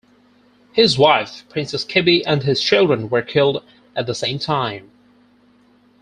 His wife, Princess Kibi, and his children were killed at the same time.